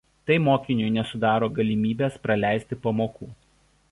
Tai mokiniui nesudaro galimybės praleisti pamokų.